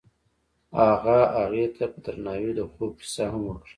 هغه هغې ته په درناوي د خوب کیسه هم وکړه.